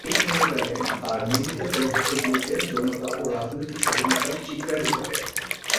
এই সময়কালে তার নির্মিত চলচ্চিত্রগুলোতে যৌনতা ও রাজনৈতিক স্বাধীনতার চিত্রায়ন ঘটে।